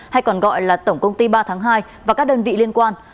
hay còn gọi là tổng công ty ba tháng hai và các đơn vị liên quan